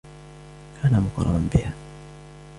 كان مغرما بها.